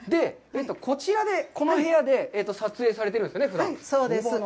こちらで、この部屋で撮影されてるんですよね、ふだん。